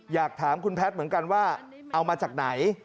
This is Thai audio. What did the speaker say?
อยากถามคุณแพทย์เหมือนกันว่าเอามาจากไหน